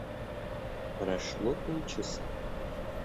Прошло полчаса.